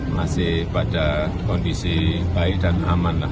masih pada kondisi baik dan aman lah